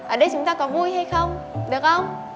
ở đây chúng ta có vui hay không được không